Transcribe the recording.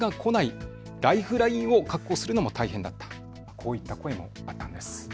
こういった声もあったんです。